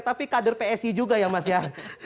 tapi kader psi juga ya mas ya